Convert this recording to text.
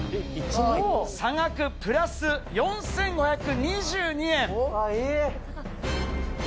差額プラス４５２２円。